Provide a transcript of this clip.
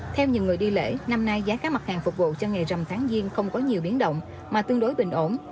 theo nhiều người đi lễ năm nay giá các mặt hàng phục vụ cho ngày rằm tháng riêng không có nhiều biến động mà tương đối bình ổn